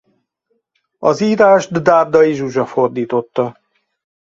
Az írást Dárdai Zsuzsa fordította.